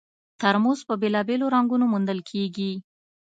ترموز په بېلابېلو رنګونو موندل کېږي.